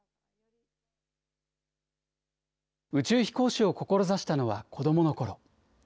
宇宙飛行士を志したのは子どものころ。